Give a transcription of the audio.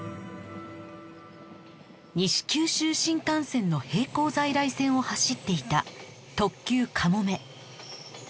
西九州新幹線の並行在来線を走っていた特急「かもめ」